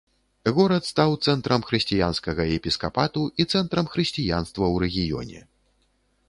Горад стаў цэнтрам хрысціянскага епіскапату і цэнтрам хрысціянства ў рэгіёне.